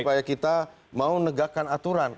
supaya kita mau negakkan aturan